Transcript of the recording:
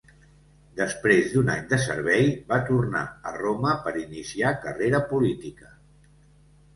Després d'un any de servei, va tornar a Roma per iniciar carrera política.